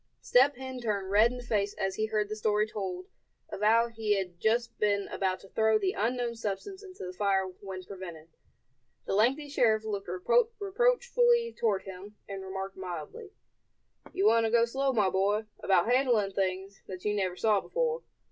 Step Hen turned red in the face as he heard the story told of how he had just been about to throw the unknown substance into the fire when prevented. The lengthy sheriff looked reproachfully toward him, and remarked, mildly: "You want to go slow, my boy, about handling things that you never saw before.